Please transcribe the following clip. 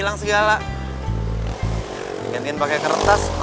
tunggu dulu dong gue mau ngomong sesuatu sama lo